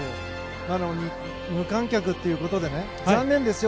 なのに、無観客ということで残念ですよ。